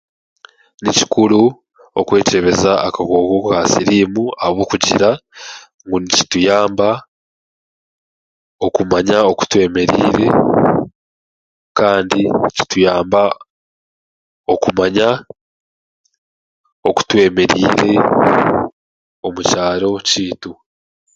Ni kikuru okwekyebeza akakooko ka siriimu ahabw'okugira ngu nikituyamba okumanya okutwemeriire kandi nikituyamaba okumanya okutwemeriire omu kyaaro kyeitu.